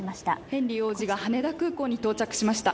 ヘンリー王子が羽田空港に到着しました。